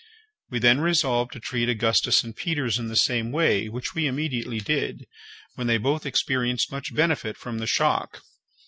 We then resolved to treat Augustus and Peters in the same way, which we immediately did, when they both experienced much benefit from the shock.